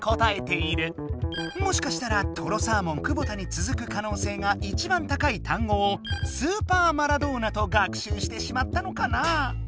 もしかしたらとろサーモン久保田につづくかのうせいが一番高い単語をスーパーマラドーナと学習してしまったのかなあ。